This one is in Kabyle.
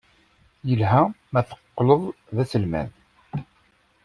Yelha ma teqqled d aselmad.